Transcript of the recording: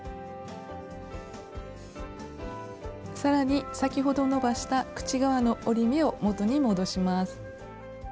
さらに先ほど伸ばした口側の折り目を元に戻します。